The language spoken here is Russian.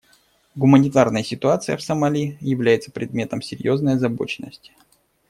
Гуманитарная ситуация в Сомали является предметом серьезной озабоченности.